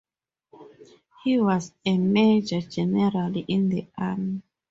He was a major-general in the army.